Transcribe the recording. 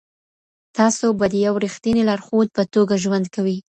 تاسو به د یو رښتیني لارښود په توګه ژوند کوئ.